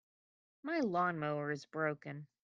My lawn-mower is broken.